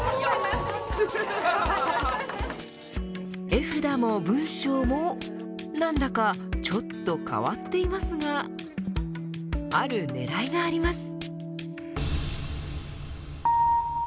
絵札も文章も何だかちょっと変わっていますがある狙いがあります。